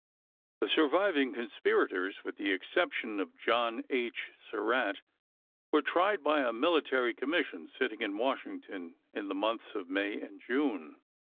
The surviving conspirators, with the exception of John H. Surratt, were tried by a military com mission 2 sitting in Washington in the months of 1865. May and June.